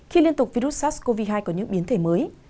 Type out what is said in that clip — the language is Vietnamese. khi liên tục virus sars cov hai có những biến thể mới